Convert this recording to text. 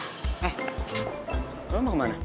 eh lo mau kemana